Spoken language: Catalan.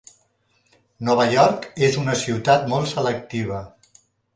Nova York és una ciutat molt selectiva.